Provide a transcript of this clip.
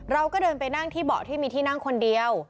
เราก็เดินไปนั่งที่เบาะที่มีที่นั่งคนเดียว